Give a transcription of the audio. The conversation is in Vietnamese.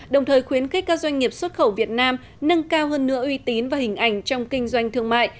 đồng thời khuyến khích các doanh nghiệp xuất khẩu việt nam nâng cao hơn nữa uy tín và hình ảnh trong kinh doanh thương mại